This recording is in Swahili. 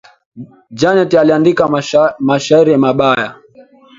Janet aliandika mashairi mabaya